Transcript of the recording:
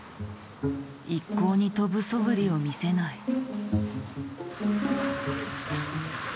一向に飛ぶそぶりを見せない。